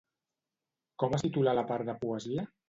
Com es titula la part de poesia?